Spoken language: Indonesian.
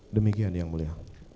demikian yang mulia